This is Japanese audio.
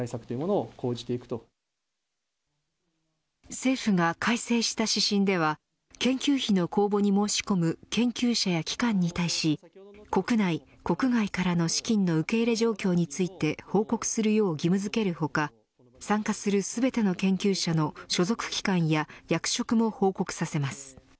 政府が改正した指針では研究費の公募に申し込む研究者や機関に対し国内、国外からの資金の受け入れ状況について報告するよう義務づける他参加する全ての研究者の所属機関や役職も報告させます。